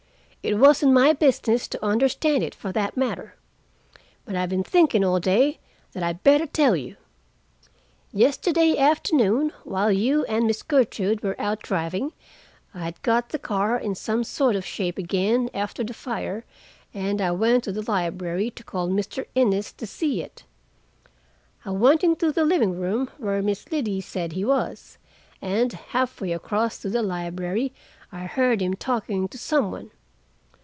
It wasn't my business to understand it, for that matter. But I've been thinking all day that I'd better tell you. Yesterday afternoon, while you and Miss Gertrude were out driving, I had got the car in some sort of shape again after the fire, and I went to the library to call Mr. Innes to see it. I went into the living room, where Miss Liddy said he was, and half way across to the library I heard him talking to some one.